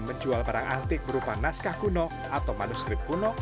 menjual barang antik berupa naskah kuno atau manuskrip kuno